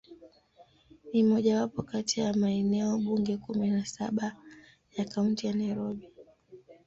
Ni mojawapo kati ya maeneo bunge kumi na saba ya Kaunti ya Nairobi.